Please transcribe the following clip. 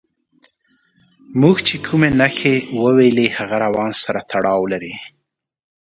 موږ چې کومې نښې وویلې هغه روان سره تړاو لري.